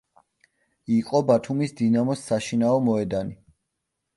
იყო ბათუმის დინამოს საშინაო მოედანი.